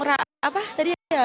apa tadi ya